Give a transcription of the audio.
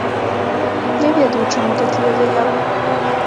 Не ведаю, чаму такія заявы.